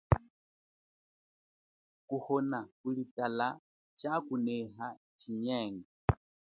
Kuhona kuli tala chakuneha chinyengo.